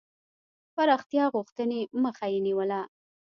پراختیا غوښتني مخه یې نیوله.